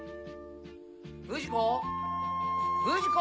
不二子？